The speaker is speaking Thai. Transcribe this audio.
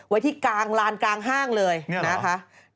ไว้ที่กลางลานกลางห้างเลยนะคะ